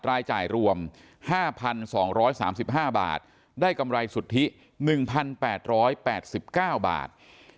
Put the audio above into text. รายจ่ายรวม๕๒๓๕บาทได้กำไรสุทธิ๑๘๘๙บาท